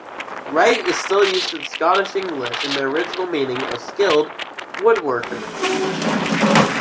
'Wright' is still used in Scottish English in the original meaning of 'skilled woodworker'.